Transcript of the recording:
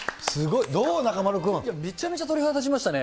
いや、めちゃめちゃ鳥肌立ちましたね。